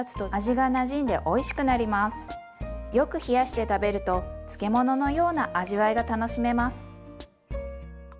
よく冷やして食べると漬物のような味わいが楽しめます。